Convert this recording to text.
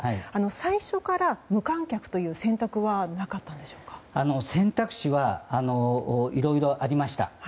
最初から無観客という選択肢はいろいろありました。